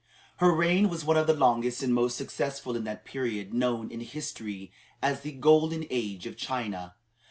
Her reign was one of the longest and most successful in that period known in history as the Golden Age of China.